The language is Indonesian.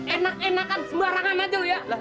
enak enakan sembarangan aja lu ya